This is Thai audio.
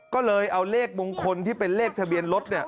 ก็เลยเอาเลขมงคลที่เป็นเลขทะเบียนรถเนี่ย